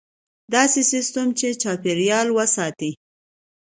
داسې سیستم چې چاپیریال وساتي.